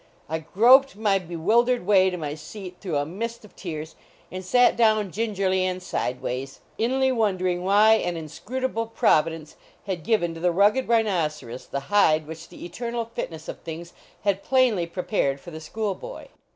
I groped my be wildered way to my seat through a mist of tears and sat down gingerly and sideways, inly wondering why an inscrutable providence had given to the rugged rhinoceros the hide which the eternal fitness of things had plainly prepared for the school boy.